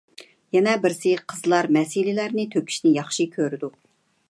يەنە بىرسى، قىزلار مەسىلىلەرنى تۆكۈشنى ياخشى كۆرىدۇ.